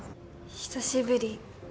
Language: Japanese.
久しぶり。